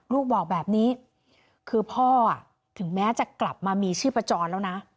ลูกบอกแบบนี้คือพ่อถึงแม้จะกลับมามีชีพจรแล้วนะ